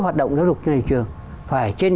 hoạt động giáo dục nhà trường phải trên